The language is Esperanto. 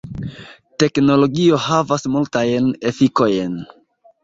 Teknologio havas multajn efikojn.